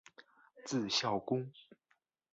字孝公。